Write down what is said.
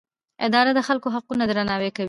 اداره د خلکو حقونه درناوی کوي.